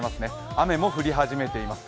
雨も降り始めています。